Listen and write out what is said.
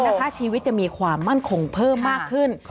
ชีวิตจะมีความมั่นคงเพิ่มมากขึ้น